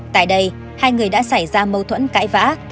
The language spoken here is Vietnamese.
tại đây hai người đã xảy ra mâu thuẫn cãi vã